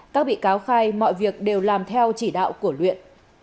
các bị cáo khai mọi việc đều làm theo chỉ đạo của luyện